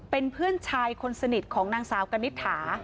เป็นเพื่อนชายคนสนิทของนางสาวกณิตถา